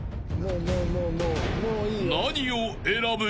［何を選ぶ？］